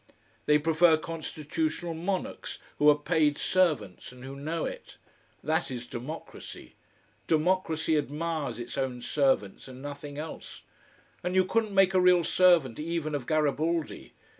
They prefer constitutional monarchs, who are paid servants and who know it. That is democracy. Democracy admires its own servants and nothing else. And you couldn't make a real servant even of Garibaldi.